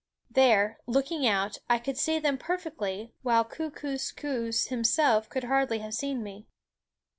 There, looking out, I could see them perfectly, while Kookooskoos himself could hardly have seen me.